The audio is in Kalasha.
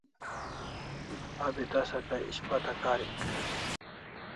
Abi tasa kay ishpata karik